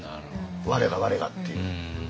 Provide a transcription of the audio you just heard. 我が我がっていう。